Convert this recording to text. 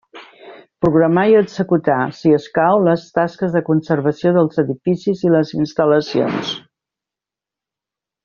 Programar i executar, si escau, les tasques de conservació dels edificis i les instal·lacions.